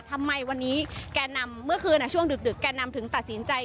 ทำไมวันนี้แก่นำเมื่อคืนช่วงดึกแก่นำถึงตัดสินใจ